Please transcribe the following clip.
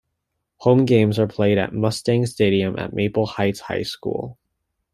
Home games are played at Mustang Stadium at Maple Heights High School.